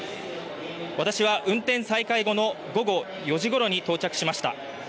私は運転再開後の午後４時ごろに到着しました。